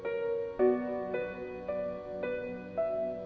はい！